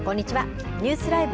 ニュースＬＩＶＥ！